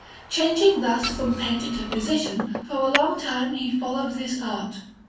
Changing thus from painter to physician, for a long time he followed this art.